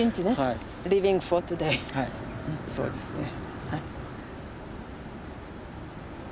そうですね。